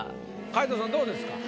皆藤さんどうですか？